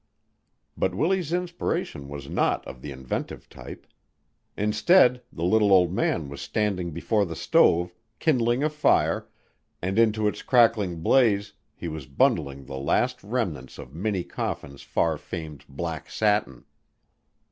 But Willie's inspiration was not of the inventive type. Instead the little old man was standing before the stove, kindling a fire, and into its crackling blaze he was bundling the last remnants of Minnie Coffin's far famed black satin.